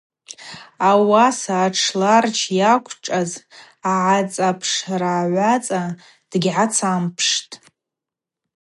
Ауаса атшларджь йаквчӏваз агӏацапшрагӏваца дгьгӏацампштӏ.